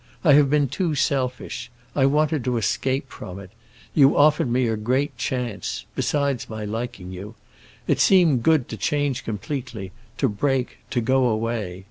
I have been too selfish; I wanted to escape from it. You offered me a great chance—besides my liking you. It seemed good to change completely, to break, to go away.